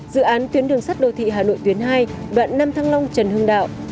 dự án tuyến đường sắt đô thị hà nội tuyến hai đoạn năm thăng long trần hưng đạo